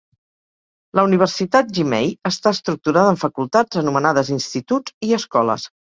La universitat Jimei està estructurada en facultats anomenades instituts i escoles.